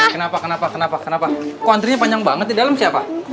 kenapa kenapa kenapa kontrinya panjang banget di dalam siapa